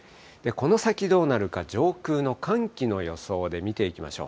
この先どうなるか、上空の寒気の予想で見ていきましょう。